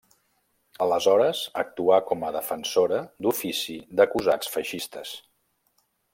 Aleshores actuà com a defensora d'ofici d'acusats feixistes.